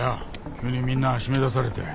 急にみんな閉め出されて。